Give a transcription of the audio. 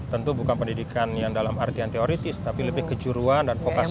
tentu bukan pendidikan yang dalam artian teoritis tapi lebih kejuruan dan vokasi